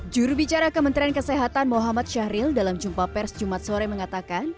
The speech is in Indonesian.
juru bicara kementerian kesehatan muhammad syahril dalam jumpa pers jumat sore mengatakan